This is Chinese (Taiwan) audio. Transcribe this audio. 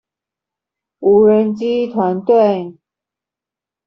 無人機團隊